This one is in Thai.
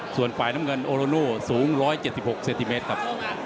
ส่วนฝ่ายน้ำเงินโอโลโน่สูง๑๗๖เซนติเมตรครับ